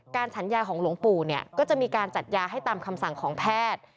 ฉันยาของหลวงปู่เนี่ยก็จะมีการจัดยาให้ตามคำสั่งของแพทย์